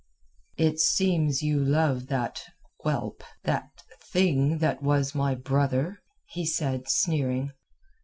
"It seems you love that—whelp, that thing that was my brother," he said, sneering.